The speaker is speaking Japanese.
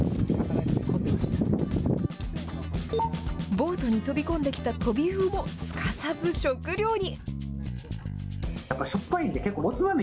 ボートに飛び込んできたトビウオもすかさず食料に。